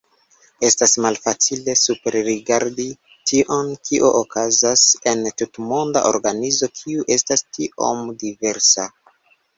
Estas malfacile superrigardi tion kio okazas en tutmonda organizo, kiu estas tiom diversa.